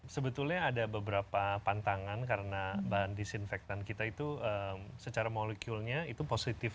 sebetulnya ada beberapa pantangan karena bahan disinfektan kita itu secara molekulnya itu positif